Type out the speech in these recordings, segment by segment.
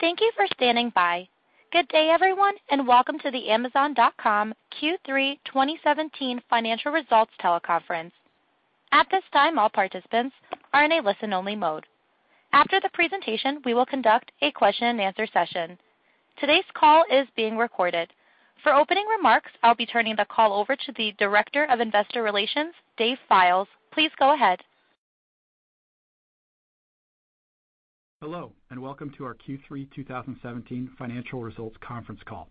Thank you for standing by. Good day, everyone, and welcome to the Amazon.com Q3 2017 Financial Results teleconference. At this time, all participants are in a listen-only mode. After the presentation, we will conduct a question and answer session. Today's call is being recorded. For opening remarks, I'll be turning the call over to the Director of Investor Relations, Dave Fildes. Please go ahead. Hello. Welcome to our Q3 2017 financial results conference call.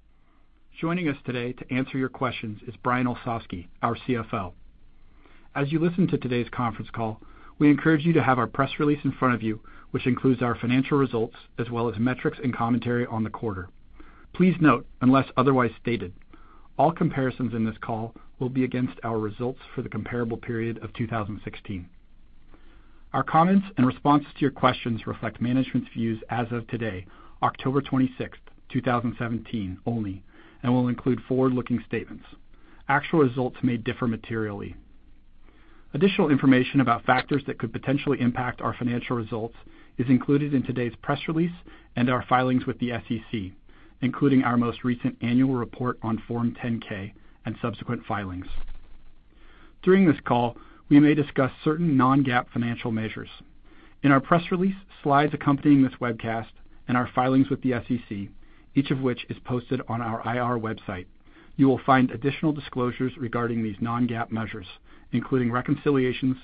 Joining us today to answer your questions is Brian Olsavsky, our CFO. As you listen to today's conference call, we encourage you to have our press release in front of you, which includes our financial results as well as metrics and commentary on the quarter. Please note, unless otherwise stated, all comparisons in this call will be against our results for the comparable period of 2016. Our comments and responses to your questions reflect management's views as of today, October 26th, 2017, only, and will include forward-looking statements. Actual results may differ materially. Additional information about factors that could potentially impact our financial results is included in today's press release and our filings with the SEC, including our most recent annual report on Form 10-K and subsequent filings. During this call, we may discuss certain non-GAAP financial measures. In our press release, slides accompanying this webcast, our filings with the SEC, each of which is posted on our IR website, you will find additional disclosures regarding these non-GAAP measures, including reconciliations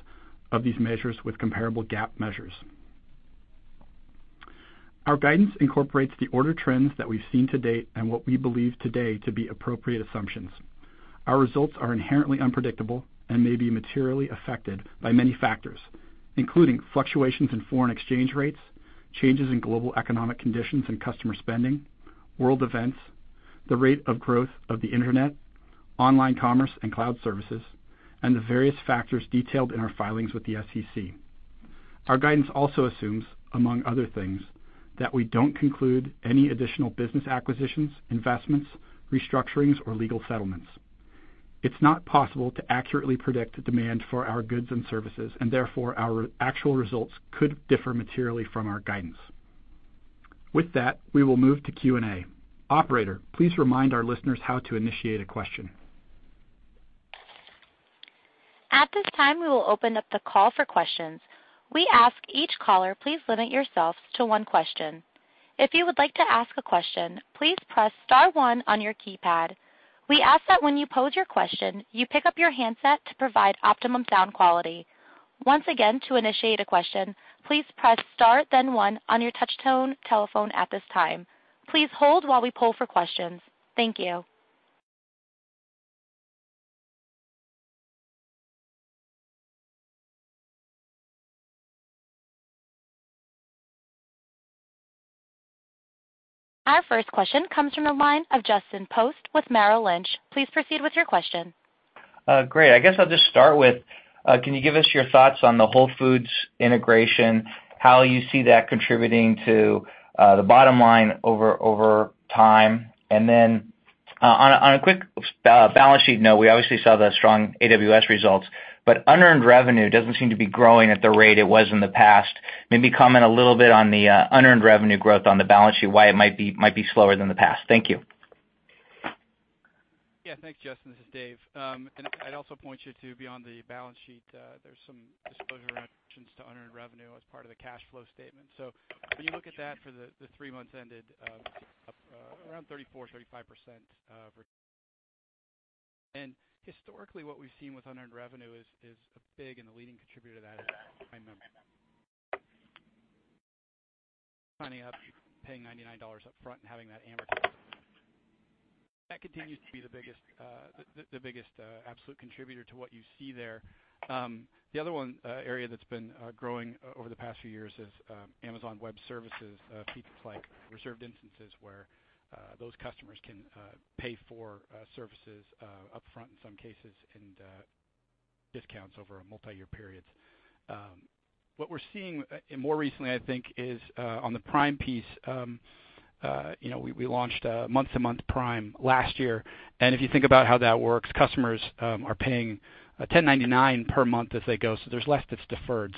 of these measures with comparable GAAP measures. Our guidance incorporates the order trends that we've seen to date and what we believe today to be appropriate assumptions. Our results are inherently unpredictable and may be materially affected by many factors, including fluctuations in foreign exchange rates, changes in global economic conditions and customer spending, world events, the rate of growth of the internet, online commerce, and cloud services, and the various factors detailed in our filings with the SEC. Our guidance also assumes, among other things, that we don't conclude any additional business acquisitions, investments, restructurings, or legal settlements. It's not possible to accurately predict the demand for our goods and services. Therefore, our actual results could differ materially from our guidance. With that, we will move to Q&A. Operator, please remind our listeners how to initiate a question. At this time, we will open up the call for questions. We ask each caller, please limit yourself to one question. If you would like to ask a question, please press star one on your keypad. We ask that when you pose your question, you pick up your handset to provide optimum sound quality. Once again, to initiate a question, please press star, then one on your touchtone telephone at this time. Please hold while we poll for questions. Thank you. Our first question comes from the line of Justin Post with Merrill Lynch. Please proceed with your question. Great. I guess I'll just start with, can you give us your thoughts on the Whole Foods Market integration, how you see that contributing to the bottom line over time? On a quick balance sheet note, we obviously saw the strong AWS results, but unearned revenue doesn't seem to be growing at the rate it was in the past. Maybe comment a little bit on the unearned revenue growth on the balance sheet, why it might be slower than the past. Thank you. Yeah, thanks, Justin. This is Dave. I'd also point you to beyond the balance sheet, there's some disclosure around options to unearned revenue as part of the cash flow statement. When you look at that for the three months ended, up around 34%, 35%, and historically what we've seen with unearned revenue is a big and a leading contributor to that is Prime membership. Signing up, paying $99 up front, and having that amortized. That continues to be the biggest absolute contributor to what you see there. The other area that's been growing over the past few years is Amazon Web Services, pieces like reserved instances where those customers can pay for services upfront in some cases and discounts over a multi-year period. What we're seeing more recently, I think, is on the Prime piece. We launched a month-to-month Prime last year. If you think about how that works, customers are paying $10.99 per month as they go, there's less that's deferred.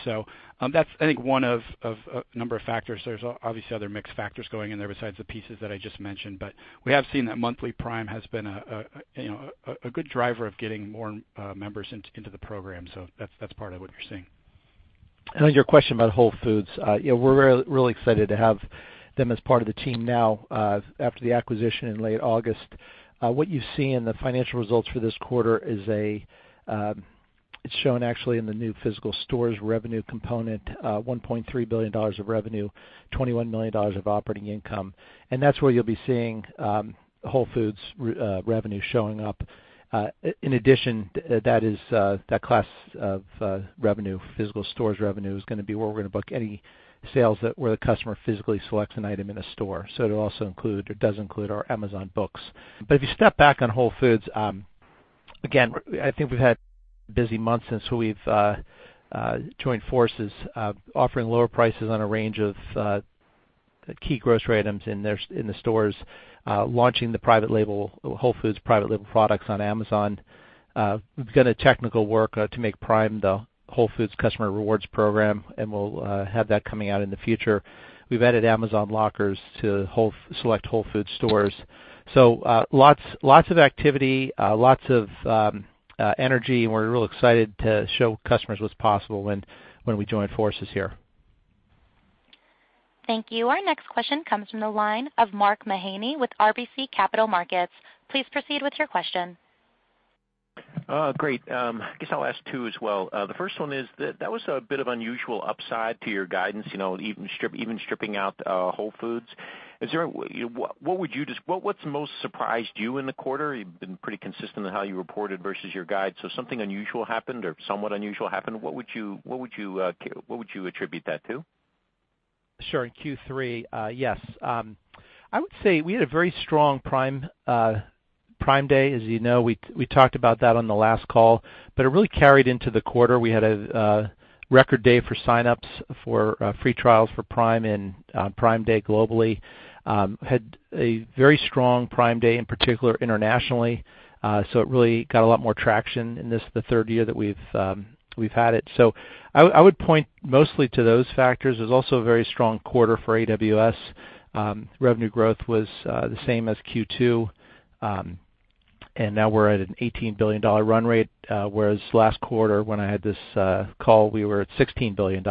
That's, I think, one of a number of factors. There's obviously other mixed factors going in there besides the pieces that I just mentioned, but we have seen that monthly Prime has been a good driver of getting more members into the program. That's part of what you're seeing. On your question about Whole Foods, we're really excited to have them as part of the team now after the acquisition in late August. What you see in the financial results for this quarter, it's shown actually in the new physical stores revenue component, $1.3 billion of revenue, $21 million of operating income, and that's where you'll be seeing Whole Foods revenue showing up. In addition, that class of revenue, physical stores revenue, is going to be where we're going to book any sales where the customer physically selects an item in a store. It also includes, or does include, our Amazon Books. If you step back on Whole Foods, again, I think we've had busy months since we've joined forces, offering lower prices on a range of key grocery items in the stores, launching the Whole Foods private label products on Amazon. We've done technical work to make Prime the Whole Foods customer rewards program, and we'll have that coming out in the future. We've added Amazon Lockers to select Whole Foods stores. Lots of activity, lots of energy, and we're real excited to show customers what's possible when we join forces here. Thank you. Our next question comes from the line of Mark Mahaney with RBC Capital Markets. Please proceed with your question. Great. I guess I'll ask two as well. The first one is, that was a bit of unusual upside to your guidance, even stripping out Whole Foods. What's most surprised you in the quarter? You've been pretty consistent in how you reported versus your guide, something unusual happened, or somewhat unusual happened. What would you attribute that to? Sure. In Q3, yes. I would say we had a very strong Prime Day. As you know, we talked about that on the last call, but it really carried into the quarter. We had a record day for sign-ups for free trials for Prime and Prime Day globally. Had a very strong Prime Day, in particular internationally. It really got a lot more traction in the third year that we've had it. I would point mostly to those factors. It was also a very strong quarter for AWS. Revenue growth was the same as Q2, and now we're at an $18 billion run rate. Whereas last quarter, when I had this call, we were at $16 billion.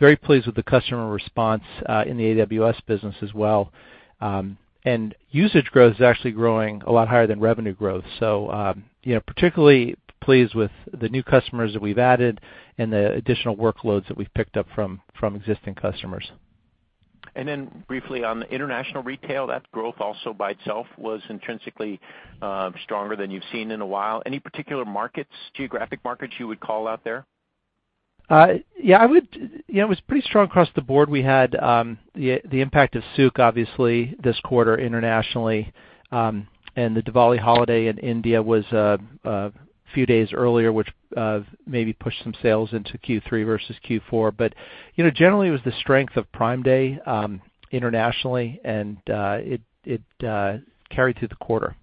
Very pleased with the customer response in the AWS business as well. Usage growth is actually growing a lot higher than revenue growth. Particularly pleased with the new customers that we've added and the additional workloads that we've picked up from existing customers. Briefly on the international retail, that growth also by itself was intrinsically stronger than you've seen in a while. Any particular geographic markets you would call out there? Yeah. It was pretty strong across the board. We had the impact of Souq.com, obviously, this quarter internationally. The Diwali holiday in India was a few days earlier, which maybe pushed some sales into Q3 versus Q4. Generally, it was the strength of Prime Day internationally, and it carried through the quarter.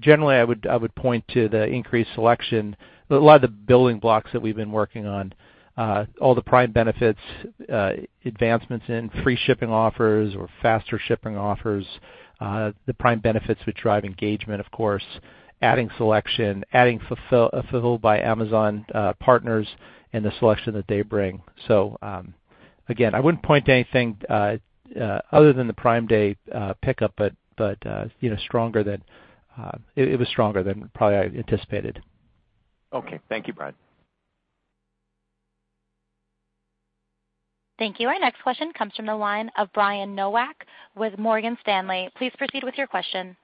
Generally, I would point to the increased selection. A lot of the building blocks that we've been working on, all the Prime benefits, advancements in free shipping offers or faster shipping offers, the Prime benefits which drive engagement, of course, adding selection, adding Fulfilled by Amazon partners, and the selection that they bring. Again, I wouldn't point to anything other than the Prime Day pickup, but it was stronger than probably I anticipated. Okay. Thank you, Brian. Thank you. Our next question comes from the line of Brian Nowak with Morgan Stanley. Please proceed with your question.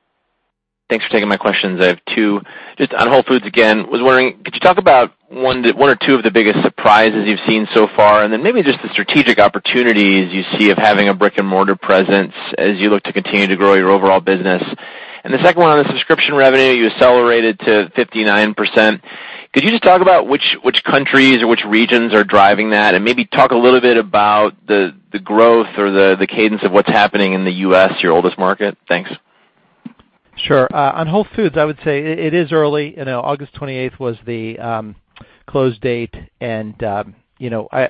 Thanks for taking my questions. I have two. Just on Whole Foods again, was wondering, could you talk about one or two of the biggest surprises you've seen so far? Then maybe just the strategic opportunities you see of having a brick-and-mortar presence as you look to continue to grow your overall business. The second one on the subscription revenue, you accelerated to 59%. Could you just talk about which countries or which regions are driving that? Maybe talk a little bit about the growth or the cadence of what's happening in the U.S., your oldest market? Thanks. Sure. On Whole Foods, I would say it is early. August 28th was the close date, and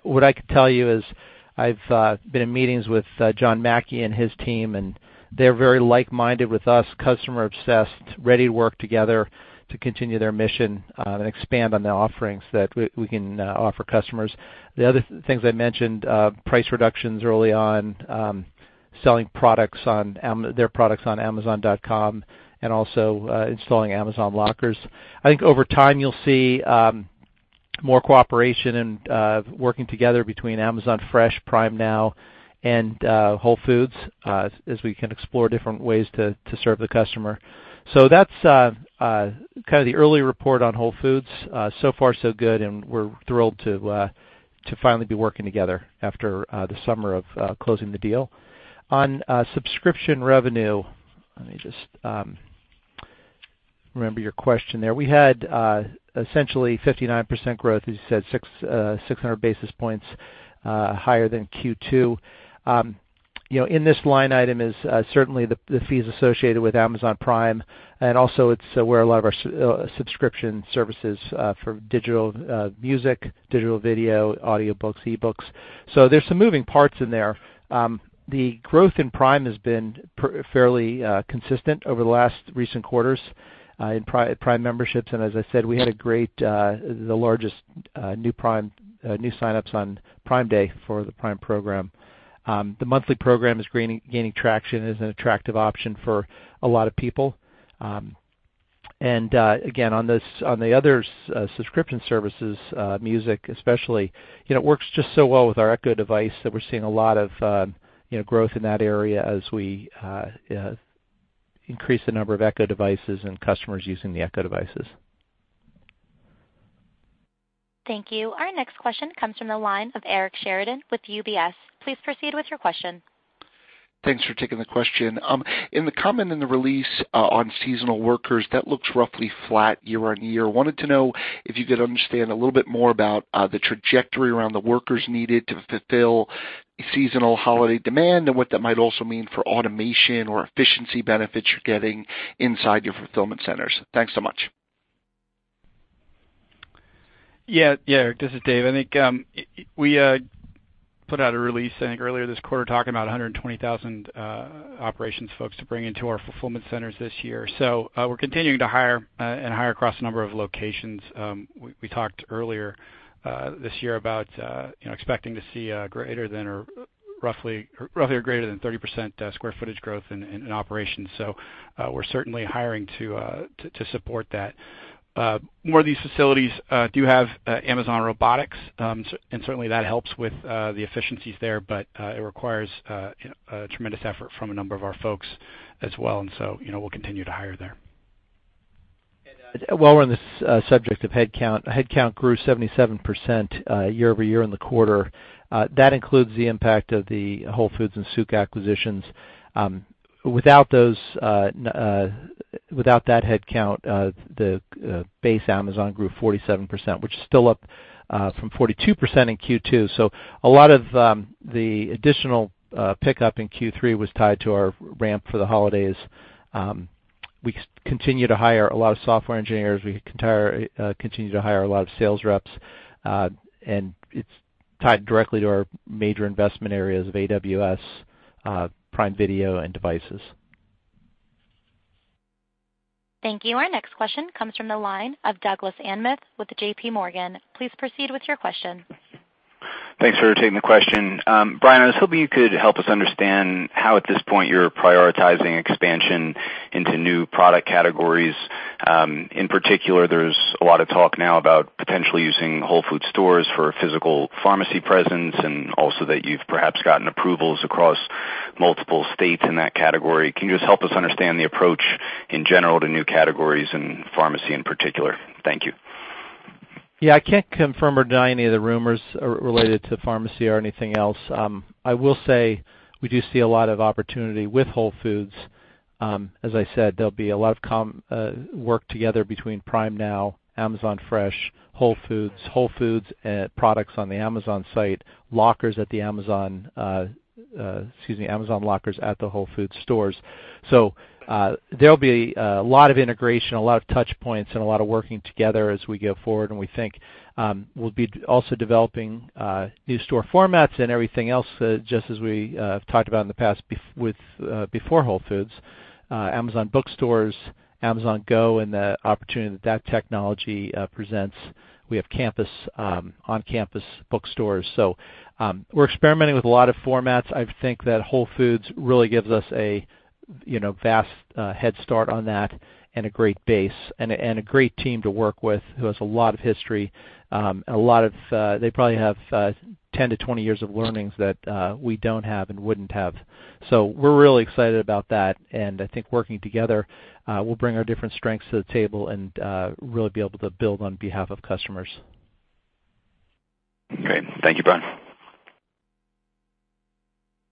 what I could tell you is I've been in meetings with John Mackey and his team, and they're very like-minded with us, customer-obsessed, ready to work together to continue their mission, and expand on the offerings that we can offer customers. The other things I mentioned, price reductions early on, selling their products on amazon.com, and also installing Amazon Lockers. I think over time you'll see more cooperation and working together between Amazon Fresh, Prime Now, and Whole Foods as we can explore different ways to serve the customer. That's kind of the early report on Whole Foods. Far so good, and we're thrilled to finally be working together after the summer of closing the deal. On subscription revenue, let me just remember your question there. We had essentially 59% growth, as you said, 600 basis points higher than Q2. In this line item is certainly the fees associated with Amazon Prime, and also it's where a lot of our subscription services for digital music, digital video, audiobooks, e-books. There's some moving parts in there. The growth in Prime has been fairly consistent over the last recent quarters in Prime memberships. As I said, we had the largest new sign-ups on Prime Day for the Prime program. The monthly program is gaining traction as an attractive option for a lot of people. Again, on the other subscription services, Music especially, it works just so well with our Echo device that we're seeing a lot of growth in that area as we increase the number of Echo devices and customers using the Echo devices. Thank you. Our next question comes from the line of Eric Sheridan with UBS. Please proceed with your question. Thanks for taking the question. In the comment in the release on seasonal workers, that looks roughly flat year-on-year. Wanted to know if you could understand a little bit more about the trajectory around the workers needed to fulfill seasonal holiday demand, and what that might also mean for automation or efficiency benefits you're getting inside your fulfillment centers. Thanks so much. This is Dave. I think we put out a release, I think earlier this quarter, talking about 120,000 operations folks to bring into our fulfillment centers this year. We're continuing to hire and hire across a number of locations. We talked earlier this year about expecting to see roughly or greater than 30% square footage growth in operations. We're certainly hiring to support that. More of these facilities do have Amazon Robotics, and certainly that helps with the efficiencies there, but it requires a tremendous effort from a number of our folks as well. We'll continue to hire there. While we're on this subject of headcount grew 77% year-over-year in the quarter. That includes the impact of the Whole Foods and Souq acquisitions. Without that headcount, the base Amazon grew 47%, which is still up from 42% in Q2. A lot of the additional pickup in Q3 was tied to our ramp for the holidays. We continue to hire a lot of software engineers. We continue to hire a lot of sales reps. It's tied directly to our major investment areas of AWS, Prime Video, and Devices. Thank you. Our next question comes from the line of Doug Anmuth with J.P. Morgan. Please proceed with your question. Thanks for taking the question. Brian, I was hoping you could help us understand how, at this point, you're prioritizing expansion into new product categories. In particular, there's a lot of talk now about potentially using Whole Foods stores for a physical pharmacy presence, and also that you've perhaps gotten approvals across multiple states in that category. Can you just help us understand the approach in general to new categories, and pharmacy in particular? Thank you. I can't confirm or deny any of the rumors related to pharmacy or anything else. I will say we do see a lot of opportunity with Whole Foods. As I said, there'll be a lot of work together between Prime Now, Amazon Fresh, Whole Foods, Whole Foods products on the Amazon site, Amazon Lockers at the Whole Foods stores. There'll be a lot of integration, a lot of touch points, and a lot of working together as we go forward. We think we'll be also developing new store formats and everything else, just as we have talked about in the past before Whole Foods, Amazon bookstores, Amazon Go, and the opportunity that that technology presents. We have on-campus bookstores. We're experimenting with a lot of formats. I think that Whole Foods really gives us a vast head start on that, and a great base, and a great team to work with who has a lot of history. They probably have 10 to 20 years of learnings that we don't have and wouldn't have. We're really excited about that, and I think working together, we'll bring our different strengths to the table and really be able to build on behalf of customers. Great. Thank you, Brian. Thank you.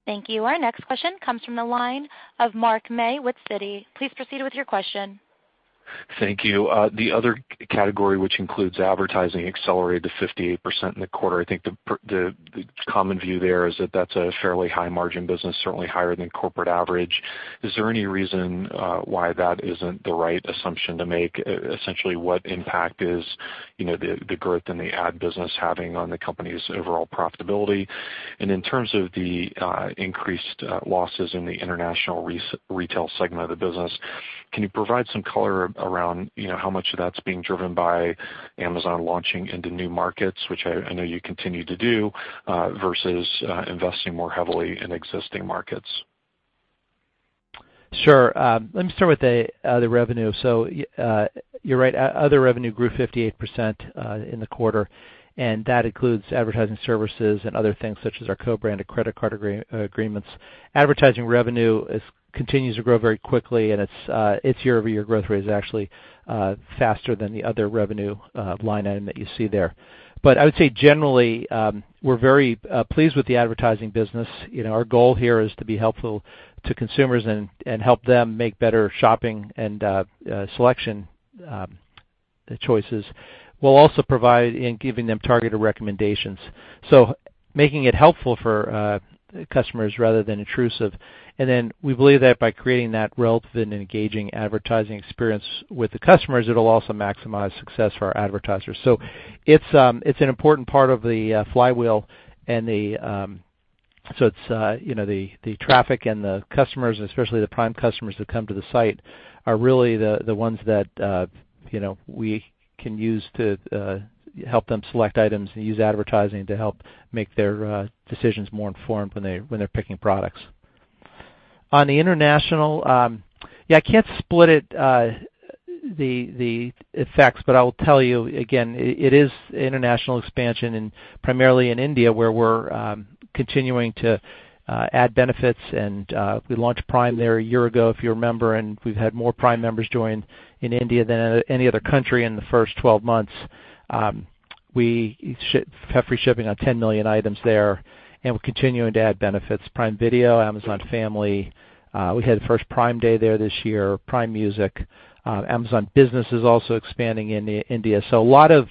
Our next question comes from the line of Mark May with Citi. Please proceed with your question. Thank you. The other category, which includes advertising, accelerated to 58% in the quarter. I think the common view there is that that's a fairly high-margin business, certainly higher than corporate average. Is there any reason why that isn't the right assumption to make? Essentially, what impact is the growth in the ad business having on the company's overall profitability? In terms of the increased losses in the international retail segment of the business, can you provide some color around how much of that's being driven by Amazon launching into new markets, which I know you continue to do, versus investing more heavily in existing markets? Sure. Let me start with the other revenue. You're right. Other revenue grew 58% in the quarter, and that includes advertising services and other things such as our co-branded credit card agreements. Advertising revenue continues to grow very quickly, and its year-over-year growth rate is actually faster than the other revenue line item that you see there. I would say generally, we're very pleased with the advertising business. Our goal here is to be helpful to consumers and help them make better shopping and selection choices, while also providing and giving them targeted recommendations. Making it helpful for customers rather than intrusive. We believe that by creating that relevant and engaging advertising experience with the customers, it'll also maximize success for our advertisers. It's an important part of the flywheel, so it's the traffic and the customers, and especially the Prime customers that come to the site are really the ones that we can use to help them select items, and use advertising to help make their decisions more informed when they're picking products. On the international, yeah, I can't split the effects. I will tell you again, it is international expansion, and primarily in India, where we're continuing to add benefits. We launched Prime there a year ago, if you remember, and we've had more Prime members join in India than any other country in the first 12 months. We have free shipping on 10 million items there, and we're continuing to add benefits. Prime Video, Amazon Family. We had the first Prime Day there this year. Prime Music, Amazon Business is also expanding in India. A lot of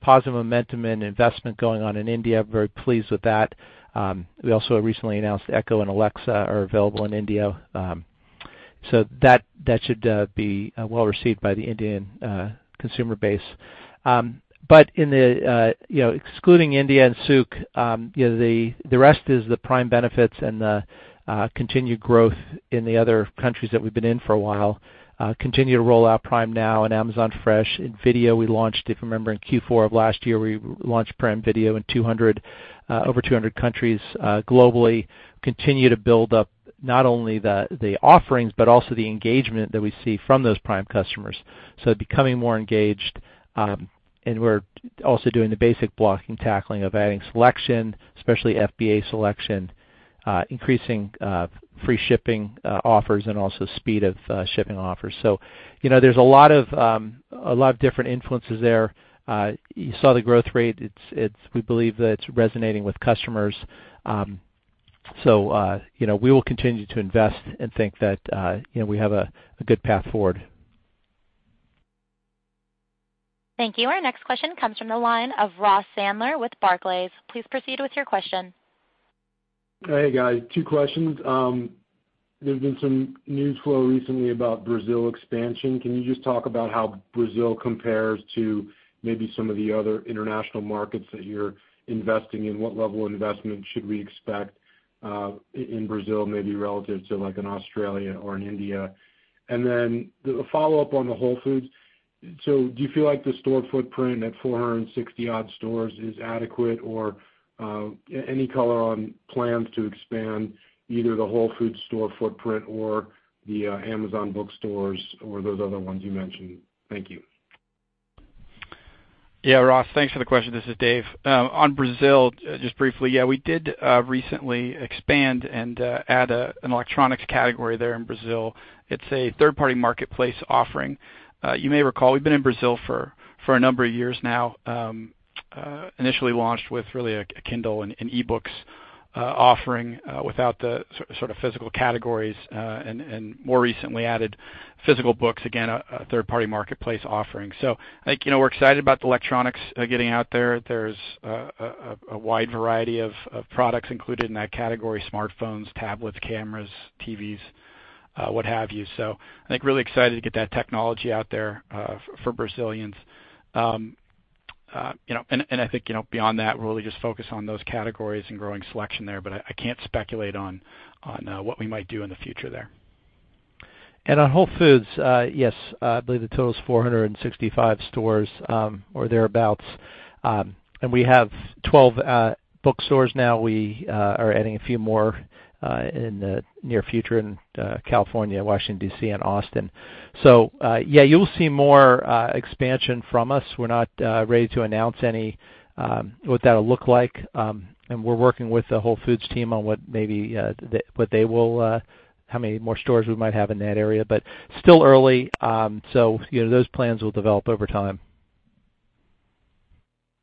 positive momentum and investment going on in India. Very pleased with that. We also recently announced Echo and Alexa are available in India. That should be well-received by the Indian consumer base. Excluding India and Souq, the rest is the Prime benefits and the continued growth in the other countries that we've been in for a while. Continue to roll out Prime Now and Amazon Fresh. In video, we launched, if you remember, in Q4 of last year, we launched Prime Video in over 200 countries globally. Continue to build up not only the offerings, but also the engagement that we see from those Prime customers. Becoming more engaged, and we're also doing the basic blocking, tackling of adding selection, especially FBA selection, increasing free shipping offers and also speed of shipping offers. There's a lot of different influences there. You saw the growth rate. We believe that it's resonating with customers. We will continue to invest and think that we have a good path forward. Thank you. Our next question comes from the line of Ross Sandler with Barclays. Please proceed with your question. Hey, guys. Two questions. There's been some news flow recently about Brazil expansion. Can you just talk about how Brazil compares to maybe some of the other international markets that you're investing in? What level of investment should we expect in Brazil, maybe relative to like an Australia or an India? The follow-up on the Whole Foods. Do you feel like the store footprint at 460-odd stores is adequate? Or any color on plans to expand either the Whole Foods store footprint or the Amazon bookstores or those other ones you mentioned? Thank you. Yeah, Ross, thanks for the question. This is Dave. On Brazil, just briefly, we did recently expand and add an electronics category there in Brazil. It's a third-party marketplace offering. You may recall we've been in Brazil for a number of years now. Initially launched with really a Kindle and e-books offering, without the sort of physical categories, and more recently added physical books, again, a third-party marketplace offering. I think we're excited about the electronics getting out there. There's a wide variety of products included in that category, smartphones, tablets, cameras, TVs, what have you. I think really excited to get that technology out there for Brazilians. I think, beyond that, we'll really just focus on those categories and growing selection there, but I can't speculate on what we might do in the future there. On Whole Foods, yes, I believe the total is 465 stores, or thereabouts. We have 12 bookstores now. We are adding a few more in the near future in California, Washington, D.C., and Austin. You'll see more expansion from us. We're not ready to announce what that'll look like. We're working with the Whole Foods team on how many more stores we might have in that area. Still early, those plans will develop over time.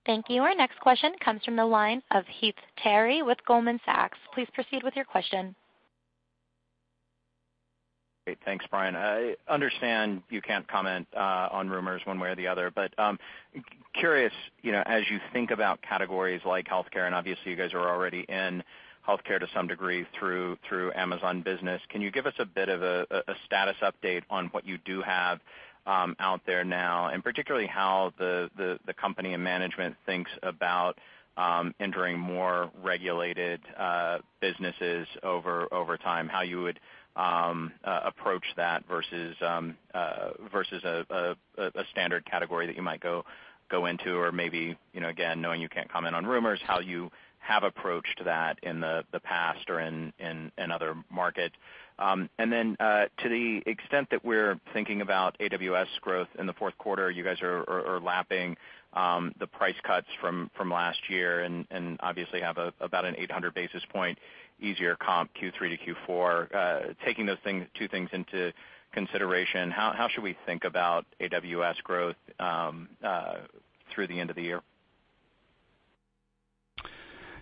Thank you. Our next question comes from the line of Heath Terry with Goldman Sachs. Please proceed with your question. Great. Thanks, Brian. I understand you can't comment on rumors one way or the other, but curious, as you think about categories like healthcare, obviously you guys are already in healthcare to some degree through Amazon Business, can you give us a bit of a status update on what you do have out there now, and particularly how the company and management thinks about entering more regulated businesses over time? How you would approach that versus a standard category that you might go into, or maybe, again, knowing you can't comment on rumors, how you have approached that in the past or in other markets? Then, to the extent that we're thinking about AWS growth in the fourth quarter, you guys are lapping the price cuts from last year, obviously have about an 800 basis point easier comp Q3 to Q4. Taking those two things into consideration, how should we think about AWS growth through the end of the year?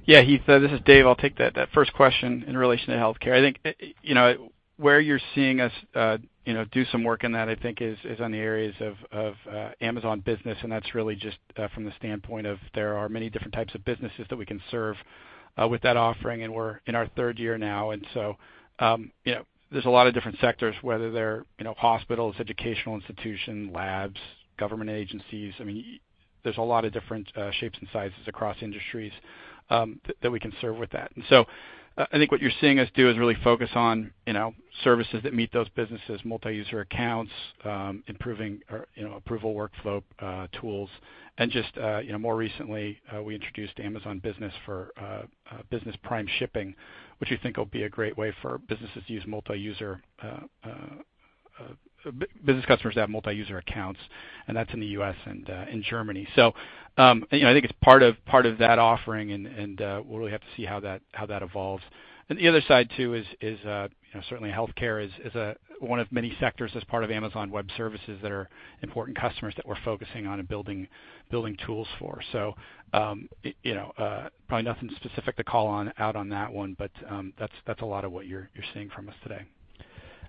Yeah, Heath, this is Dave. I'll take that first question in relation to healthcare. I think, where you're seeing us do some work in that, I think is on the areas of Amazon Business, and that's really just from the standpoint of there are many different types of businesses that we can serve with that offering, and we're in our third year now. So, there's a lot of different sectors, whether they're hospitals, educational institution, labs, government agencies. There's a lot of different shapes and sizes across industries that we can serve with that. I think what you're seeing us do is really focus on services that meet those businesses, multi-user accounts, improving our approval workflow tools, and just more recently, we introduced Amazon Business for Business Prime Shipping, which we think will be a great way for businesses to use Business customers that have multi-user accounts, and that's in the U.S. and in Germany. I think it's part of that offering, and we'll really have to see how that evolves. The other side too is certainly healthcare is one of many sectors as part of Amazon Web Services that are important customers that we're focusing on and building tools for. Probably nothing specific to call out on that one, but that's a lot of what you're seeing from us today.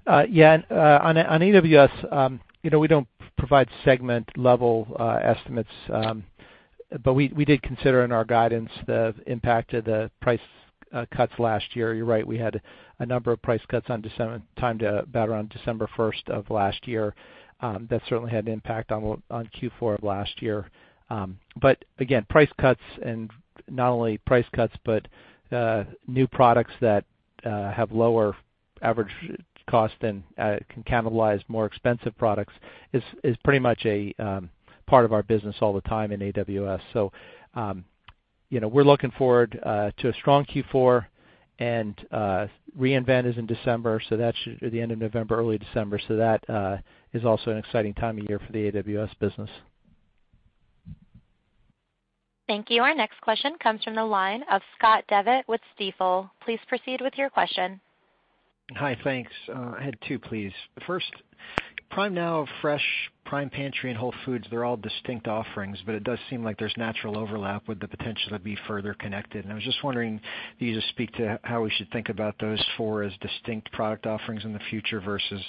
Yeah. On AWS, we don't provide segment-level estimates. We did consider in our guidance the impact of the price cuts last year. You're right, we had a number of price cuts timed to about around December 1st of last year. That certainly had an impact on Q4 of last year. Again, price cuts, and not only price cuts, but new products that have lower average cost and can cannibalize more expensive products, is pretty much a part of our business all the time in AWS. We're looking forward to a strong Q4, and re:Invent is in December, the end of November, early December, so that is also an exciting time of year for the AWS business. Thank you. Our next question comes from the line of Scott Devitt with Stifel. Please proceed with your question. Hi, thanks. I had two, please. The first, Prime Now, Fresh, Prime Pantry, and Whole Foods, they're all distinct offerings, but it does seem like there's natural overlap with the potential to be further connected, and I was just wondering if you could just speak to how we should think about those four as distinct product offerings in the future versus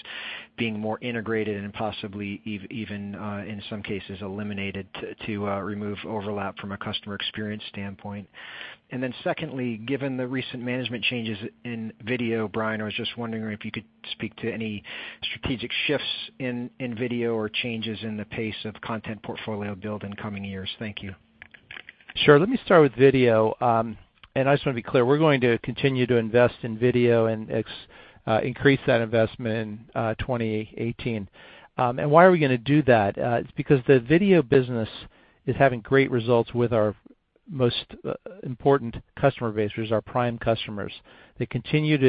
being more integrated and possibly even, in some cases, eliminated to remove overlap from a customer experience standpoint. Secondly, given the recent management changes in video, Brian, I was just wondering if you could speak to any strategic shifts in video or changes in the pace of content portfolio build in coming years. Thank you. Sure. Let me start with video. I just want to be clear, we're going to continue to invest in video, and increase that investment in 2018. Why are we going to do that? It's because the video business is having great results with our most important customer base, which is our Prime customers. It continues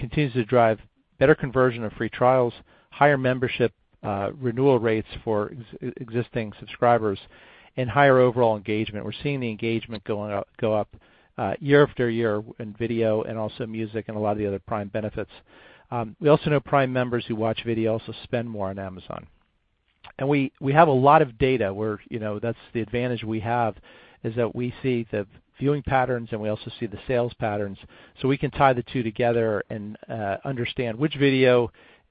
to drive better conversion of free trials, higher membership renewal rates for existing subscribers, and higher overall engagement. We're seeing the engagement go up year after year in video and also music, and a lot of the other Prime benefits. We also know Prime members who watch video also spend more on Amazon. We have a lot of data. That's the advantage we have is that we see the viewing patterns, and we also see the sales patterns, so we can tie the two together and understand which video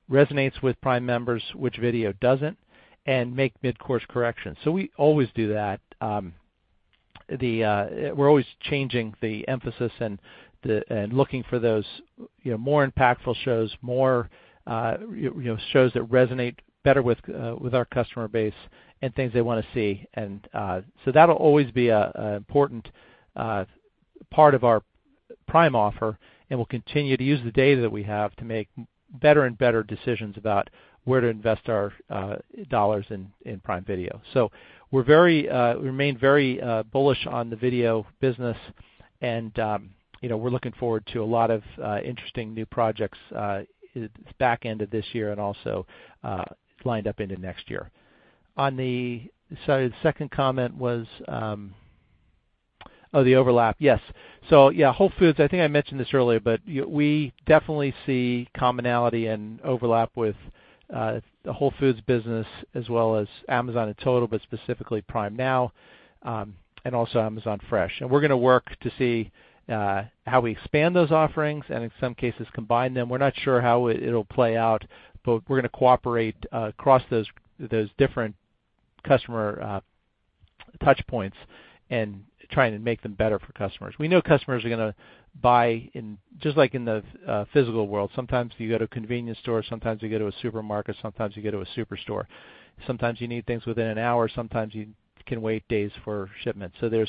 resonates with Prime members, which video doesn't, and make mid-course corrections. We always do that. We're always changing the emphasis, and looking for those more impactful shows, more shows that resonate better with our customer base, and things they want to see. That'll always be an important part of our Prime offer, and we'll continue to use the data that we have to make better and better decisions about where to invest our dollars in Prime Video. We remain very bullish on the video business, and we're looking forward to a lot of interesting new projects back end of this year, and also lined up into next year. On the second comment was, oh, the overlap. Yes. Yeah, Whole Foods, I think I mentioned this earlier, but we definitely see commonality and overlap with the Whole Foods business as well as Amazon in total, but specifically Prime Now, and also Amazon Fresh. We're going to work to see how we expand those offerings, and in some cases combine them. We're not sure how it'll play out, but we're going to cooperate across those different customer touchpoints, and try and make them better for customers. We know customers are going to buy, just like in the physical world, sometimes you go to a convenience store, sometimes you go to a supermarket, sometimes you go to a superstore. Sometimes you need things within an hour, sometimes you can wait days for shipment. There's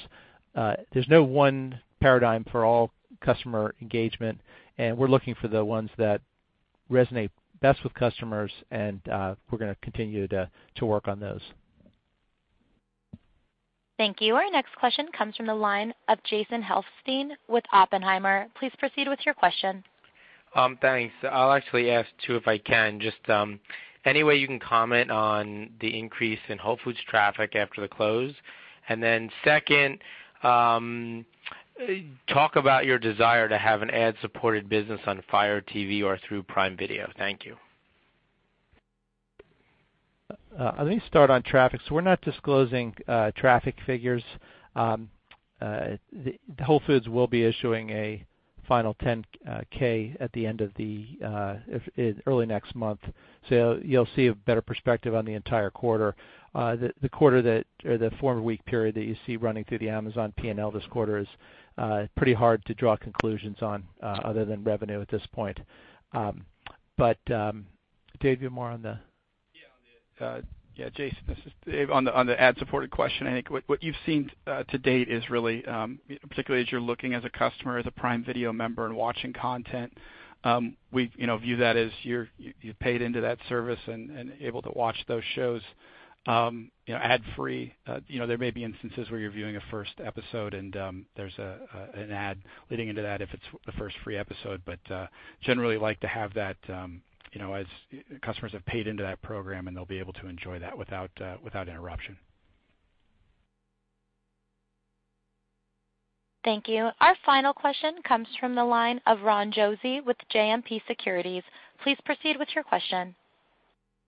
no one paradigm for all customer engagement, and we're looking for the ones that resonate best with customers, and we're going to continue to work on those. Thank you. Our next question comes from the line of Jason Helfstein with Oppenheimer. Please proceed with your question. Thanks. I'll actually ask two if I can. Just any way you can comment on the increase in Whole Foods traffic after the close? Second, talk about your desire to have an ad-supported business on Fire TV or through Prime Video. Thank you. Let me start on traffic. We're not disclosing traffic figures. Whole Foods will be issuing a final 10-K early next month, you'll see a better perspective on the entire quarter. The four-week period that you see running through the Amazon P&L this quarter is pretty hard to draw conclusions on other than revenue at this point. Dave, you have more on the- Yeah. Jason, this is Dave. On the ad-supported question, I think what you've seen to date is really, particularly as you're looking as a customer, as a Prime Video member, and watching content, we view that as you've paid into that service and able to watch those shows ad-free. There may be instances where you're viewing a first episode, and there's an ad leading into that if it's the first free episode. Generally like to have that as customers have paid into that program, and they'll be able to enjoy that without interruption. Thank you. Our final question comes from the line of Ronald Josey with JMP Securities. Please proceed with your question.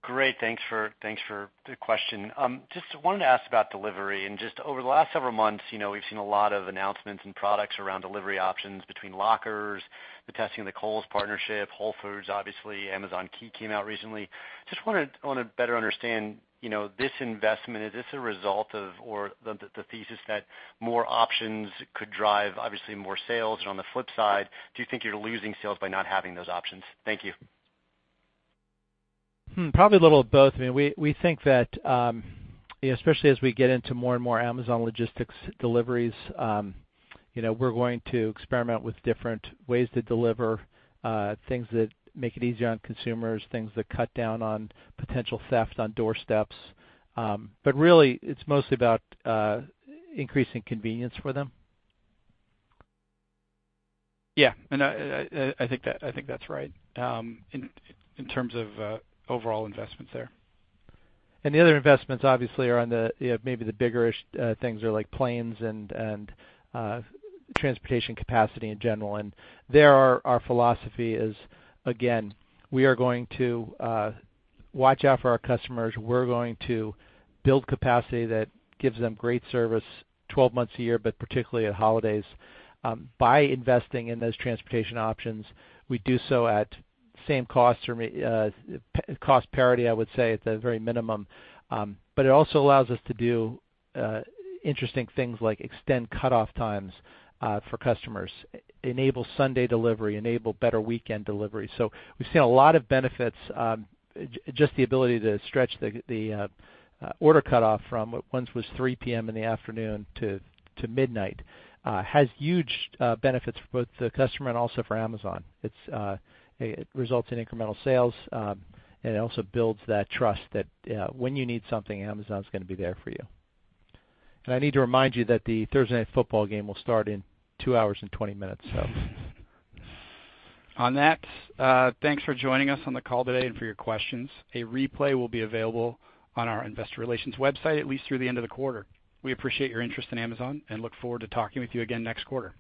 Great. Thanks for the question. Just wanted to ask about delivery. Just over the last several months, we've seen a lot of announcements and products around delivery options between lockers, the testing of the Kohl's partnership, Whole Foods, obviously Amazon Key came out recently. Just want to better understand this investment. Is this a result of, or the thesis that more options could drive, obviously, more sales? On the flip side, do you think you're losing sales by not having those options? Thank you. Probably a little of both. We think that, especially as we get into more and more Amazon Logistics deliveries, we're going to experiment with different ways to deliver things that make it easier on consumers, things that cut down on potential theft on doorsteps. Really, it's mostly about increasing convenience for them. Yeah. I think that's right, in terms of overall investments there. The other investments obviously are on the, maybe the bigger things are like planes and transportation capacity in general. There, our philosophy is, again, we are going to watch out for our customers. We're going to build capacity that gives them great service 12 months a year, but particularly at holidays, by investing in those transportation options. We do so at same cost parity, I would say, at the very minimum. It also allows us to do interesting things like extend cutoff times for customers, enable Sunday delivery, enable better weekend delivery. We've seen a lot of benefits, just the ability to stretch the order cutoff from what once was 3:00 P.M. in the afternoon to midnight, has huge benefits for both the customer and also for Amazon. It results in incremental sales, and it also builds that trust that when you need something, Amazon's going to be there for you. I need to remind you that the Thursday Night Football game will start in two hours and 20 minutes. On that, thanks for joining us on the call today and for your questions. A replay will be available on our investor relations website, at least through the end of the quarter. We appreciate your interest in Amazon and look forward to talking with you again next quarter.